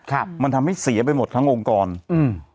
ครับมันทำให้เสียไปหมดทั้งองค์กรอืม